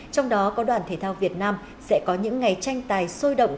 trong đó có đoàn thể thao việt nam sẽ có những ngày tranh tài sôi động